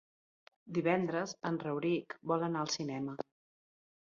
Divendres en Rauric vol anar al cinema.